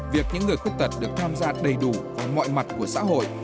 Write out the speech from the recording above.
việc những người khuyết tật được tham gia đầy đủ vào mọi mặt của xã hội